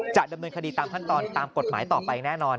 จะดำเนินคดีตามขั้นตอนตามกฎหมายต่อไปแน่นอน